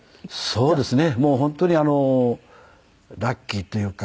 そうですね。